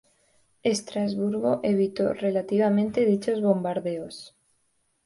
Estrasburgo evitó relativamente dichos bombardeos.